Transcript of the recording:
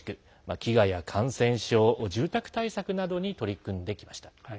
飢餓や感染症、住宅対策などに取り組んできました。